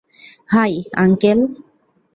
High, uncle!